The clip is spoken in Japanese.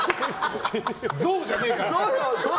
ゾウじゃねえから！